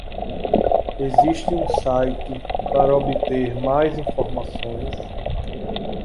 Existe um site para obter mais informações?